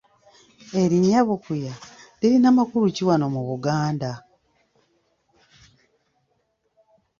Erinnya Bukuya lirina makulu ki wano mu Buganda?